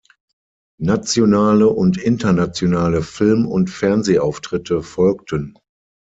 Nationale und internationale Film- und Fernsehauftritte folgten.